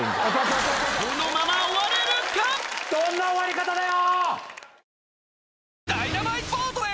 どんな終わり方だよ！